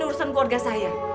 urusan keluarga saya